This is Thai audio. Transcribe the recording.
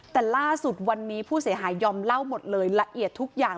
แต่ล่าสุดวันนี้ผู้เสียหายยอมเล่าหมดเลยละเอียดทุกอย่าง